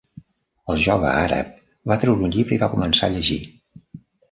El jove àrab va treure un llibre i va començar a llegir.